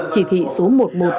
chỉ thị số một mươi một